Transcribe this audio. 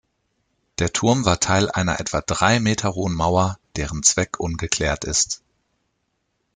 Der Turm war Teil einer etwa drei Meter hohen Mauer, deren Zweck ungeklärt ist.